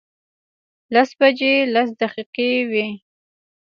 لس بجې لس دقیقې وې.